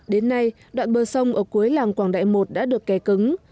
đến nay đoạn bờ sông ở cuối làng quảng đại một đã được kè cứng